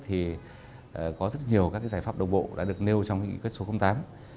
thì có rất nhiều các giải pháp đồng bộ đã được nêu trong những kết số công tác